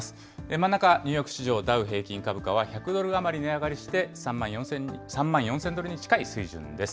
真ん中、ニューヨーク市場、ダウ平均株価は１００ドル余り値上がりして、３万４０００ドル近い水準です。